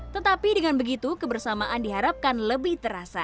tetapi dengan begitu kebersamaan diharapkan lebih terasa